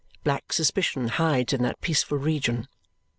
Black suspicion hides in that peaceful region.